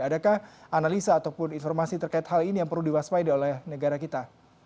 adakah analisa ataupun informasi terkait hal ini yang perlu diwaspai oleh negara kita